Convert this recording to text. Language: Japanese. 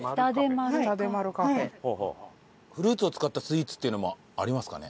フルーツを使ったスイーツっていうのもありますかね？